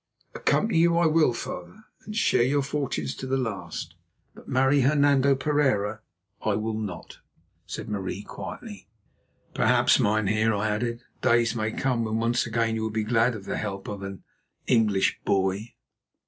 "Accompany you I will, father, and share your fortunes to the last. But marry Hernando Pereira I will not," said Marie quietly. "Perhaps, mynheer," I added, "days may come when once again you will be glad of the help of an 'English boy.